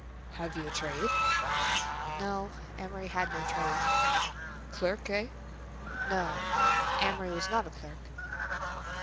"Have you a trade?" No—Amory had no trade. "Clerk, eh?" No—Amory was not a clerk.